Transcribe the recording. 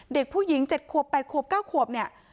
เด็กผู้หญิง๗ขวบ๘ขวบ๙ขวบ